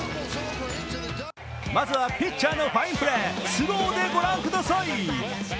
まずはピッチャーのファインプレー、スローでご覧ください。